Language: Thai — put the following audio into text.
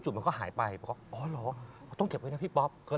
แต่เขาตัดได้มั้ยอันนี้อย่างนี้อย่างนี้อย่างนี้